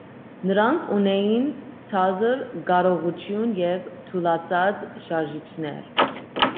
Նրանք ունեին ցածր կարողություն և թուլացած շարժիչներ։